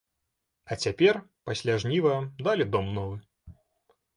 А цяпер пасля жніва далі дом новы.